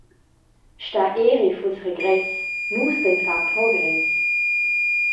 Star eri fuss regress, nus lein far progress.